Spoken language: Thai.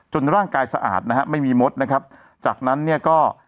ร่างกายสะอาดนะฮะไม่มีมดนะครับจากนั้นเนี่ยก็